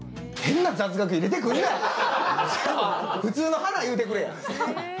普通の花、言うてくれや。